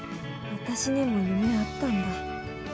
私にも夢あったんだ。